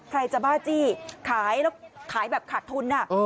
ใครจะบ้าจี้ขายแบบขาดทุน